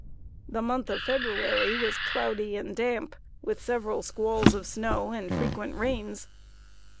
The month of February was cloudy and damp, with several squalls of snow and frequent rains.